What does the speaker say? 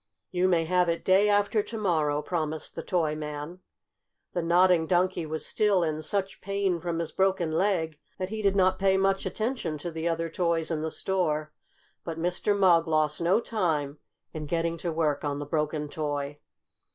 "You may have it day after to morrow," promised the toy man. The Nodding Donkey was still in such pain from his broken leg that he did not pay much attention to the other toys in the store. But Mr. Mugg lost no time in getting to work on the broken toy.